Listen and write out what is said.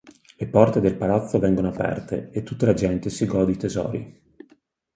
Le porte del palazzo vengono aperte e tutta la gente si gode i tesori.